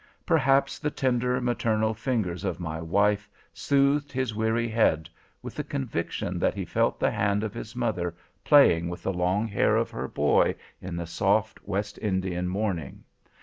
Perhaps the tender, maternal fingers of my wife soothed his weary head with the conviction that he felt the hand of his mother playing with the long hair of her boy in the soft West Indian morning.